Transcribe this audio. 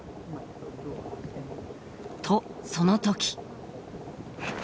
とその時。